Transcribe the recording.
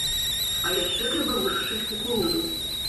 А яшчэ трэба высушыць кукурузу.